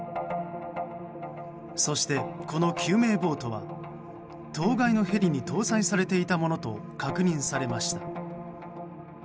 そして、この救命ボートは当該のヘリに搭載されていたものと確認されました。